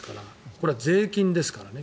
これは税金ですからね